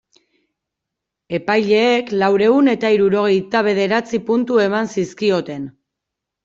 Epaileek laurehun eta hirurogeita bederatzi puntu eman zizkioten.